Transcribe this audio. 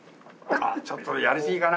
あっちょっとやりすぎかな？